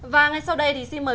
và ngay sau đây thì xin mời